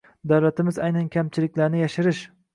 Davlatimiz aynan kamchiliklarni yashirish